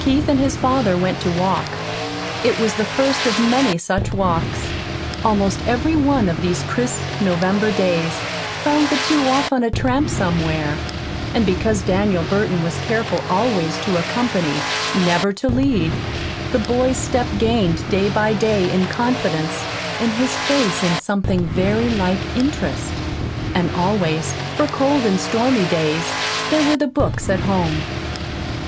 Keith and his father went to walk. It was the first of many such walks. Almost every one of these crisp November days found the two off on a tramp somewhere. And because Daniel Burton was careful always to accompany, never to lead, the boy's step gained day by day in confidence and his face in something very like interest. And always, for cold and stormy days, there were the books at home.